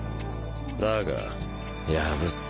だが破った。